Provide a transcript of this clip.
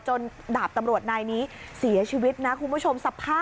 ดาบตำรวจนายนี้เสียชีวิตนะคุณผู้ชมสภาพ